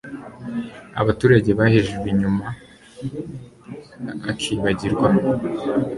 abaturage bahejejwe inyuma bakibagirwa